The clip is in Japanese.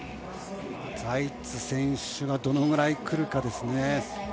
ザイツ選手がどのぐらいくるかですね。